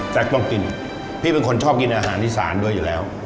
ต้องกินพี่เป็นคนชอบกินอาหารอีสานด้วยอยู่แล้ว